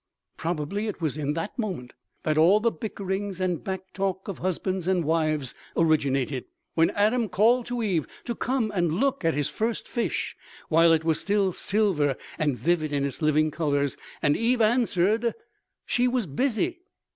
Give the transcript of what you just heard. Probably it was in that moment that all the bickerings and back talk of husbands and wives originated; when Adam called to Eve to come and look at his First Fish while it was still silver and vivid in its living colors; and Eve answered she was busy.